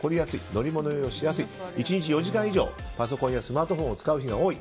乗り物酔いをしやすい１日４時間以上パソコンやスマートフォンを使う日が多い。